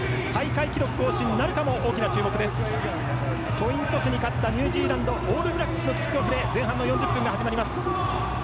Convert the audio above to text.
コイントスに勝ったニュージーランドオールブラックスのキックオフで前半の４０分が始まります。